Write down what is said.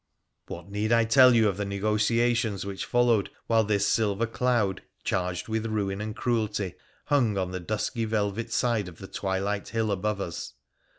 What need I tell you of the negotiations which followed while this silver cloud, charged with ruin and cruelty, hung on the dusky velvet side of the twilight hill above us